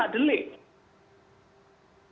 jadi tidak ada yang bisa menghambat